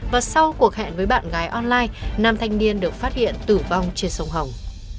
và sau cuộc hẹn với bạn gái online nam thanh niên được phát hiện tử vong trên sông hồng